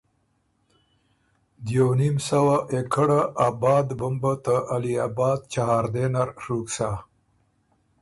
دیوونیم سوه اېکړه آباد بُمبه ته علی اباد چهارده نر ڒُوک سَۀ۔